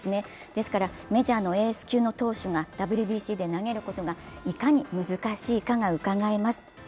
ですから、メジャーのエース級の投手がＷＢＣで投げることがいかに難しいかがうかがえます。